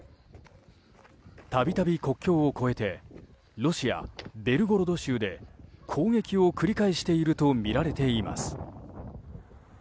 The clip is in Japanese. たびたび国境を越えてロシア・ベルゴロド州で攻撃を繰り返しているとみられています。